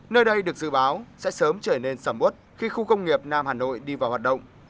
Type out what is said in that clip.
nơi đây được dự báo sẽ sớm trở nên sầm bốt khi khu công nghiệp nam hà nội đi vào hoạt động